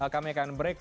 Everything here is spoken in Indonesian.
kami akan break